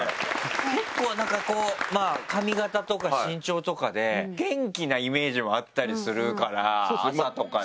結構なんかこうまぁ髪形とか身長とかで元気なイメージもあったりするから朝とかで。